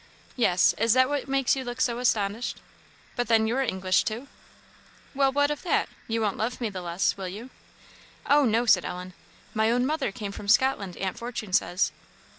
_" "Yes; is that what makes you look so astonished?" "But then you are English, too?" "Well, what of that? you won't love me the less, will you?" "Oh, no," said Ellen; "my own mother came from Scotland, Aunt Fortune says."